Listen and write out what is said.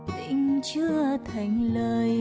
tình chưa thành lời